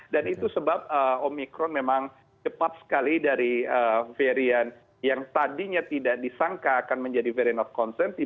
dan itu sebab omikron memang cepat sekali dari variant yang tadinya tidak disangkakan menjadi variant of concern tiba tiba menjadi siror